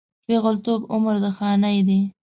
پېغلتوب عمر د خانۍ دی